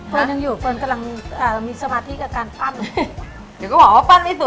ยังอยู่เฟิร์นกำลังเอ่อมีสมาธิกับการปั้นเดี๋ยวก็บอกว่าปั้นไม่เบื